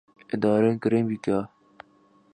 ادارے کریں بھی کیا۔